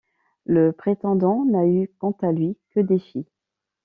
Le prétendant n'a eu, quant à lui, que des filles.